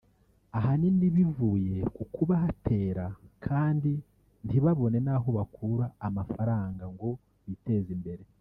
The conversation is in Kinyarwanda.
ahanini bivuye ku kuba hatera kandi ntibabone n’aho bakura amafaranga ngo biteze imbere